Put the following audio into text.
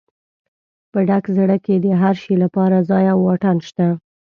په ډک زړه کې د هر شي لپاره ځای او واټن شته.